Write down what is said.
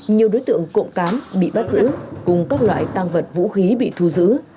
nhiều đối tượng cộng cán bị bắt giữ cùng các loại tăng vật vũ khí bị thu giữ